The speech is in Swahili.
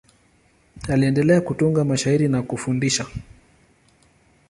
Aliendelea kutunga mashairi na kufundisha.